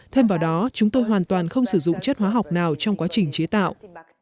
thêm vào đó chúng tôi hoàn toàn không sử dụng chất hóa học nào trong quá trình chế tạo